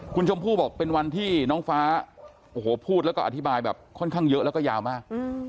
คุณชมพู่บอกเป็นวันที่น้องฟ้าโอ้โหพูดแล้วก็อธิบายแบบค่อนข้างเยอะแล้วก็ยาวมาก